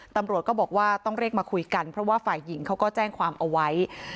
ตำรวจก็บอกว่าต้องเรียกมาคุยกันเพราะว่าฝ่ายหญิงเขาก็แจ้งความเอาไว้